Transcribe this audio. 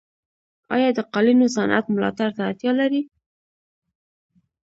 آیا د قالینو صنعت ملاتړ ته اړتیا لري؟